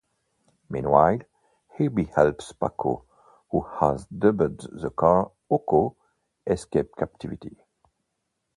Meanwhile, Herbie helps Paco, who has dubbed the car 'Ocho', escape captivity.